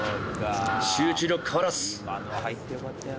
集中力変わらず。